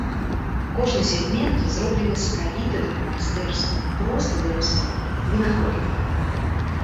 Кожны сегмент зроблены сакавіта ды па-майстэрску, проста ды густоўна, вынаходліва.